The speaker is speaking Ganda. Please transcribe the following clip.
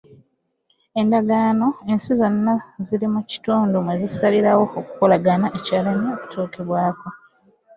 Endagaano ensi zonna eziri mu kitundu mwe zisalirawo okukolagana ekyalemye okutuukibwako.